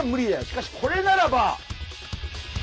しかしこれならば。